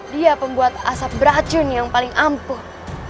dia pembuat asap beracun yang paling ampuh